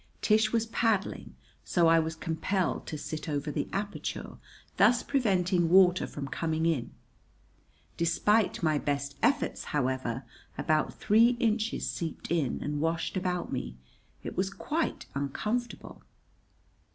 Tish was paddling; so I was compelled to sit over the aperture, thus preventing water from coming in. Despite my best efforts, however, about three inches seeped in and washed about me. It was quite uncomfortable.